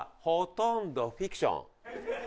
ほとんどフィクション。